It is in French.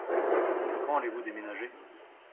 Quand allez-vous déménager ?